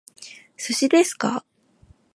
寿司ですか？